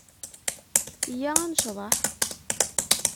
Iyya ad necḍeḥ.